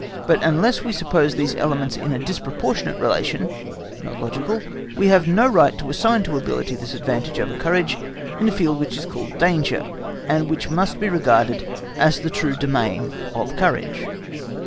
But unless we suppose these elements in a disproportionate relation, not logical, we have no right to assign to ability this advantage over courage in a field which is called danger, and which must be regarded as the true domain of courage.